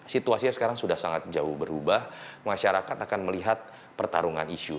situasinya sekarang sudah sangat jauh berubah masyarakat akan melihat pertarungan isu